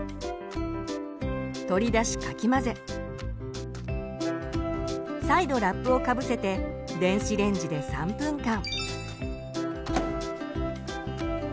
取り出しかき混ぜ再度ラップをかぶせて電子レンジで３分間。